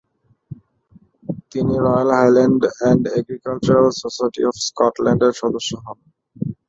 তিনি 'Royal Highland and Agricultural Society of স্কটল্যান্ড'-এর সদস্য হন।